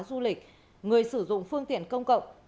du lịch người sử dụng phương tiện công cộng